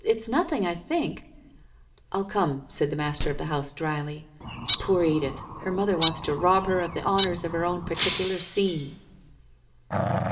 It's nothing, I think '* I'll come,' said the master of the house drily. ' Poor Edith, her mother wants to rob her of the honours of her own particular scene